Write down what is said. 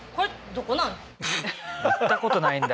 行ったことないんだろうな